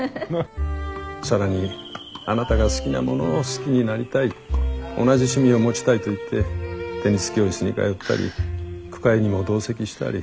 更にあなたが好きなものを好きになりたい同じ趣味を持ちたいと言ってテニス教室に通ったり句会にも同席したり。